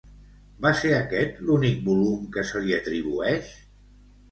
Va ser aquest l'únic volum que se li atribueix?